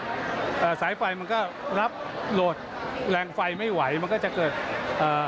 อ่าสายไฟมันก็รับโหลดแรงไฟไม่ไหวมันก็จะเกิดเอ่อ